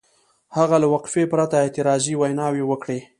هغه له وقفې پرته اعتراضي ویناوې وکړې.